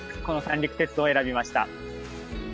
この三陸鉄道を選びました。